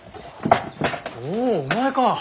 おおお前か！